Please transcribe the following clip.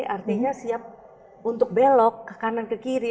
artinya siap untuk belok ke kanan ke kiri